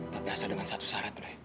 tapi asal dengan satu syarat